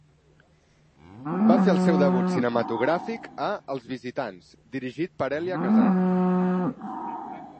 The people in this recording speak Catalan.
Va fer el seu debut cinematogràfic a "Els Visitants", dirigit per Elia Kazan.